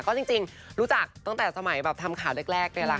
ก็จริงรู้จักตั้งแต่สมัยแบบทำข่าวแรกนี่แหละค่ะ